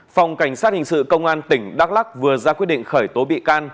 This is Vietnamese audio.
phòng cảnh sát hình sự công an tỉnh đắk lắc vừa ra quyết định khởi tố bị can